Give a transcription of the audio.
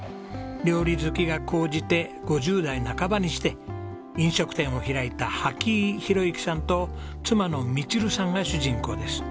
料理好きが高じて５０代半ばにして飲食店を開いた波木井宏幸さんと妻のミチルさんが主人公です。